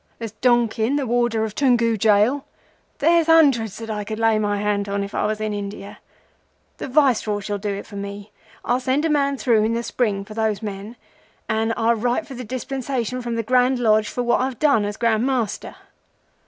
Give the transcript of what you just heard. There's Donkin, the Warder of Tounghoo Jail; there's hundreds that I could lay my hand on if I was in India. The Viceroy shall do it for me. I'll send a man through in the spring for those men, and I'll write for a dispensation from the Grand Lodge for what I've done as Grand Master.